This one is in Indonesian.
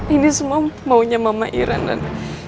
ini semua maunya mama iren dan